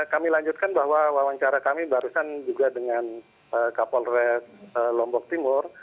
kami lanjutkan bahwa wawancara kami barusan juga dengan kapolres lombok timur